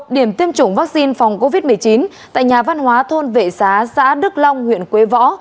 điểm tiêm chủng vaccine phòng covid một mươi chín tại nhà văn hóa thôn vệ xá xã đức long huyện quế võ